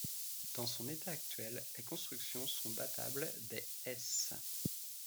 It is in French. Dans son état actuel, les constructions sont datables des - s.